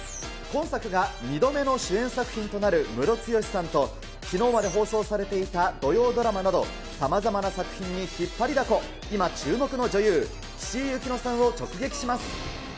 今作が２度目の主演作品となるムロツヨシさんときのうまで放送されていた土曜ドラマなど、さまざまな作品に引っ張りだこ、今、注目の女優、岸井ゆきのさんを直撃します。